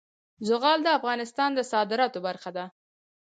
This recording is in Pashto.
زغال د افغانستان د صادراتو برخه ده.